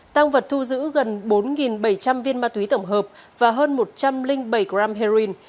tăng vật thu giữ gần bốn bảy trăm linh viên ma túy tổng hợp và hơn một trăm linh bảy gram heroin